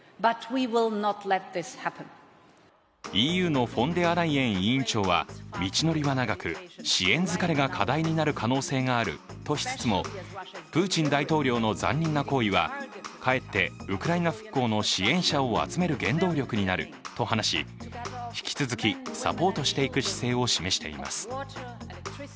ＥＵのフォンデアライエン委員長は、道のりは長く支援疲れが課題になる可能性があるとしつつもプーチン大統領の残忍な行為はかえってウクライナ復興の支援者を集める原動力になると話し、引き続きサポートしていく姿勢を示しています。